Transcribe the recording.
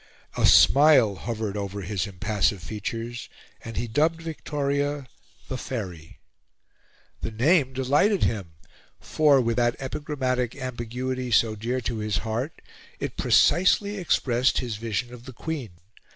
A smile hovered over his impassive features, and he dubbed Victoria "the Faery." The name delighted him, for, with that epigrammatic ambiguity so dear to his heart, it precisely expressed his vision of the Queen.